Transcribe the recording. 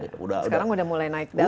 sekarang udah mulai naik daun